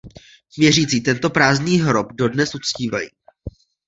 Věřící tento prázdný hrob dodnes uctívají.